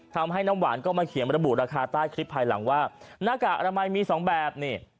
ทำให้น้ำหวานก็มาเขียนบรรตบูรณาคาร้าค้าใต้คลิปภายหลังว่าณกากอนามัยมีสองแบบ